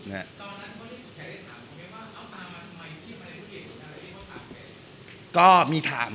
ตอนนั้นเขาได้ถามอย่างไรว่าเขาตามมาทำไม